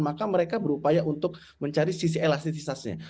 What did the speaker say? maka mereka berupaya untuk mencari sisi elastisitasnya